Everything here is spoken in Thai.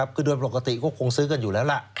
คือโดยปกติก็คงซื้อกันอยู่แล้วล่ะ